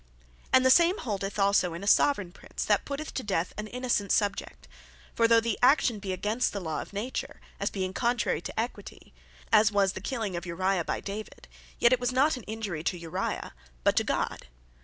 And the same holdeth also in a Soveraign Prince, that putteth to death an Innocent Subject. For though the action be against the law of Nature, as being contrary to Equitie, (as was the killing of Uriah, by David;) yet it was not an Injurie to Uriah; but to God.